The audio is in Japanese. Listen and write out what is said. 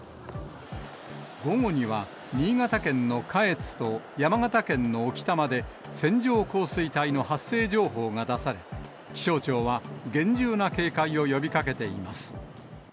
午後には、新潟県の下越と山形県の置賜で、線状降水帯の発生情報が出され、気象庁は、厳重な警戒を呼びかけています。